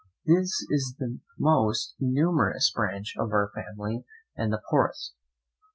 This is the most numerous branch of our family, and the poorest.